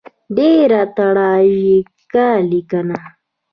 ډېره تراژیکه لیکنه.